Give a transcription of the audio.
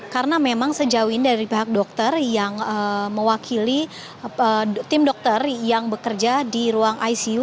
karena memang sejauh ini dari pihak dokter yang mewakili tim dokter yang bekerja di ruang icu